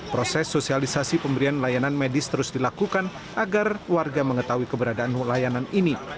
proses sosialisasi pemberian layanan medis terus dilakukan agar warga mengetahui keberadaan layanan ini